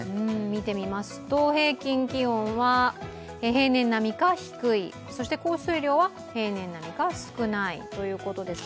見てみますと平均気温は、平年並みか低いそして降水量は平年並みか少ないということです。